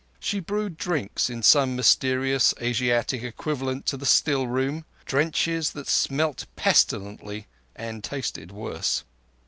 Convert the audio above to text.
She brewed drinks, in some mysterious Asiatic equivalent to the still room—drenches that smelt pestilently and tasted worse.